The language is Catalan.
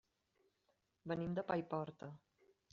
Venim de Paiporta.